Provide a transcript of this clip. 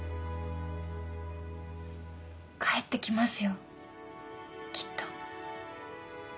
帰ってきますよきっと。